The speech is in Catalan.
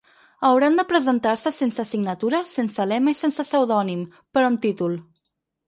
Hauran de presentar-se sense signatura, sense lema i sense pseudònim, però amb títol.